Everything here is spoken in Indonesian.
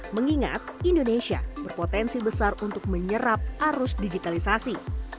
mengingat indonesia berpotensi besar untuk menyerap arus digitalisasi